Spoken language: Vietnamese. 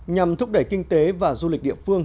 nhằm thúc đẩy kinh tế và du lịch địa phương